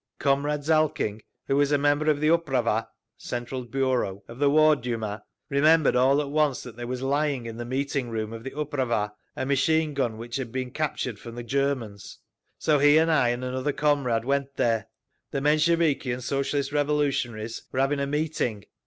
Comrade Zalking, who was a member of the Uprava (Central Bureau) of the Ward Duma, remembered all at once that there was lying in the meeting room of the Uprava a machinegun which had been captured from the Germans. So he and I and another comrade went there. The Mensheviki and Socialist Revolutionaries were having a meeting.